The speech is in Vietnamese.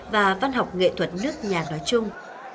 và văn học nghệ thuật nước nhà nói chung